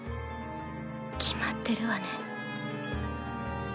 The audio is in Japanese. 決まってるわね